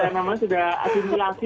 nama sudah asimilasi